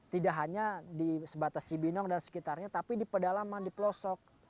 tidak hanya di sebatas cibinong dan sekitarnya tapi di pedalaman di pelosok